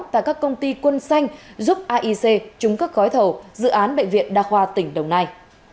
tại các công ty quân xanh giúp aic trúng các gói thầu dự án bệnh viện đa khoa tỉnh đồng nai